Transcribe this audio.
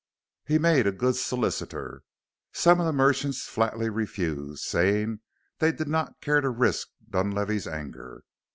He made a good solicitor. Some of the merchants flatly refused, saying they did not care to risk Dunlavey's anger.